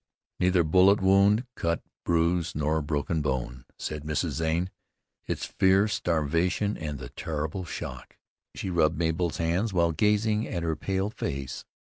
"Neither bullet wound, cut, bruise, nor broken bone," said Mrs. Zane. "It's fear, starvation, and the terrible shock." She rubbed Mabel's hands while gazing at her pale face.